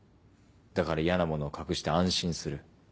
だから嫌なものを隠して安心する。